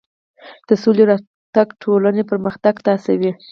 د سولې راتګ ټولنه پرمختګ ته هڅوي.